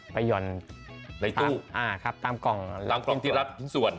ไปหย่อนในตู้ตามกล่องที่รับจิตส่วน